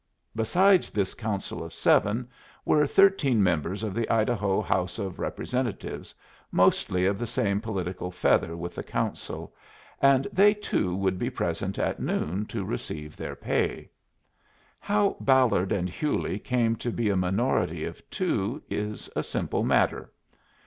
Besides this Council of seven were thirteen members of the Idaho House of Representatives, mostly of the same political feather with the Council, and they too would be present at noon to receive their pay. How Ballard and Hewley came to be a minority of two is a simple matter.